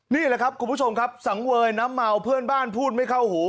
นี่แหละครับคุณผู้ชมครับสังเวยน้ำเมาเพื่อนบ้านพูดไม่เข้าหู